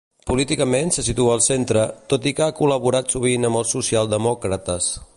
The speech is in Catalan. Políticament se situa al centre, tot i que ha col·laborat sovint amb els Socialdemòcrates.